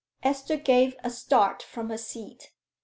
Esther gave a start from her seat.